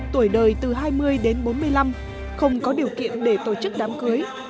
tuổi đời từ hai mươi đến bốn mươi năm không có điều kiện để tổ chức đám cưới